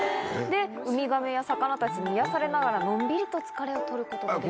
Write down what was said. ウミガメや魚たちに癒やされながらのんびりと疲れを取ることがで